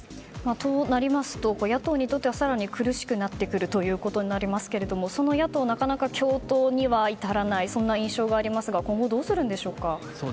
そうなると、野党にとっては更に苦しくなりますがその野党なかなか共闘には至らないそんな印象がありますが今後、どうするんでしょうか。